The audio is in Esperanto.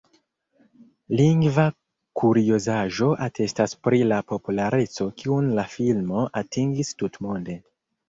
Lingva kuriozaĵo atestas pri la populareco kiun la filmo atingis tutmonde.